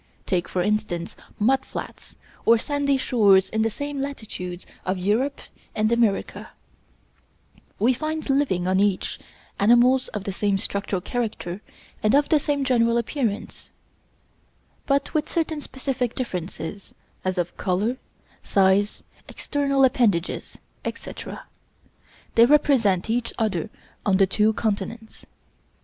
Take, for instance, mud flats or sandy shores in the same latitudes of Europe and America: we find living on each, animals of the same structural character and of the same general appearance, but with certain specific differences, as of color, size, external appendages, etc. They represent each other on the two continents.